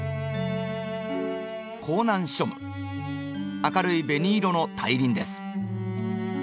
明るい紅色の大輪です。